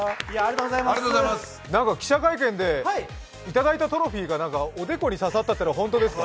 記者会見でいただいたトロフィーがおでこに刺さったっていうのはホントですか？